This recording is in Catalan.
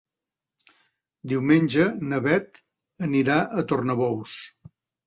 Diumenge na Beth anirà a Tornabous.